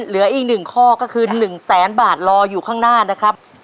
เหลืออีก๑ข้อก็คือ๑แสนบาทรออยู่ข้างหน้านะครับ